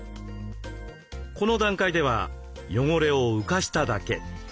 この段階では汚れを浮かしただけ。